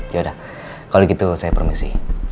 ya udah kalau begitu saya permisi